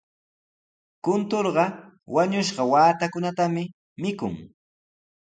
Kunturqa wañushqa waatakunatami mikun.